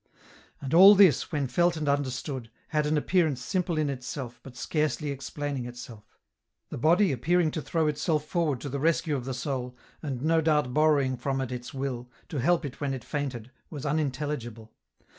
And all this, when felt and understood, had an appearance simple in itself, but scarcely explaining itself. The body ap pearing to throw itself forward to the rescue of the soul, and no doubt borrowing from it its will, to help it when it fainted, was unintelligible.